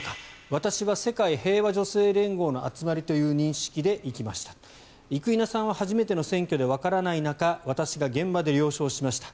私は世界平和女性連合の集まりという認識で行きました生稲さんは初めての選挙でわからない中私が現場で了承しました。